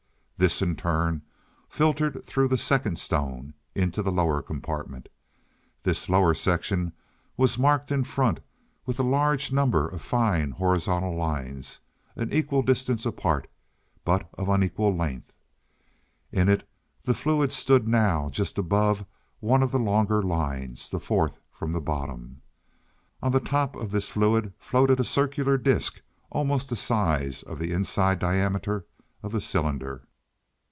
This in turn filtered through the second stone into the lower compartment. This lower section was marked in front with a large number of fine horizontal lines, an equal distance apart, but of unequal length. In it the fluid stood now just above one of the longer lines the fourth from the bottom. On the top of this fluid floated a circular disc almost the size of the inside diameter of the cylinder.